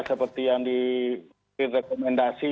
seperti yang direkomendasi